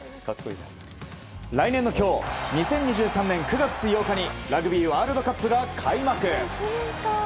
来年の今日２０２３年９月８日にラグビーワールドカップが開幕。